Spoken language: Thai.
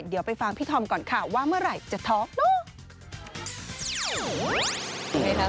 เดี๋ยวไปฟังพี่ธอมก่อนค่ะว่าเมื่อไหร่จะท็อกเนอะ